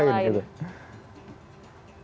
dari negara lain